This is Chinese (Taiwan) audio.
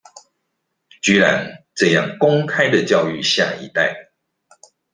居然這樣公開的教育下一代